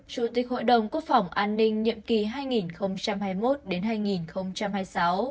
chủ tịch hội đồng quốc phòng an ninh nhiệm kỳ hai nghìn hai mươi một hai nghìn hai mươi sáu